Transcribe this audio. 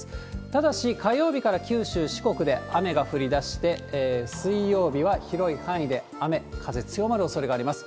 ただし、火曜日から九州、四国で雨が降りだして、水曜日は広い範囲で雨、風強まるおそれがあります。